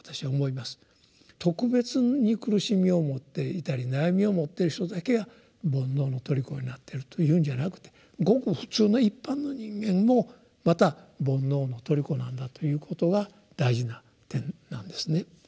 特別に苦しみを持っていたり悩みを持ってる人だけが「煩悩」の虜になってるというんじゃなくてごく普通の一般の人間もまた「煩悩」の虜なんだということが大事な点なんですね。